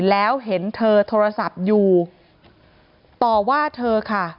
แล้วเห็นเธอโทรศัพท์อยู่ต่อว่าเธอค่ะ